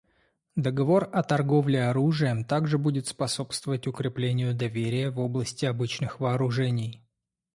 Договор о торговле оружием также будет способствовать укреплению доверия в области обычных вооружений.